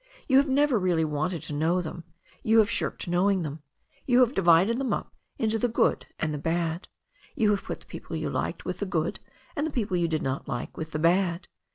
You have never really wanted to know them. You have shirked knowing them. You have divided them up into the good and the bad. You have put the people you liked with the good and the people you did not like with the bad.